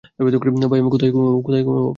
ভাই, আমি কোথায় ঘুমাবো?